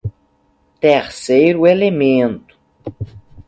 Terceiro elemento